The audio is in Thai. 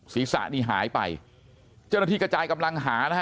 ศีรษะนี่หายไปเจ้าหน้าที่กระจายกำลังหานะฮะ